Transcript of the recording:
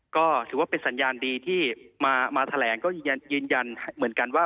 ก็ถือว่าเป็นสัญญาณดีที่มาแถลงก็ยืนยันเหมือนกันว่า